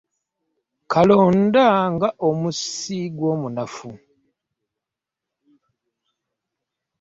Kalonda nga omusi gwo munafu.